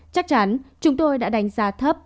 chắc chắn chúng tôi đã đánh giá thấp